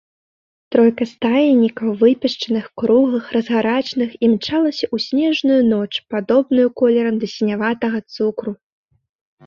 Тройка стаеннікаў, выпешчаных, круглых, разгарачаных, імчалася ў снежную ноч, падобную колерам да сіняватага цукру.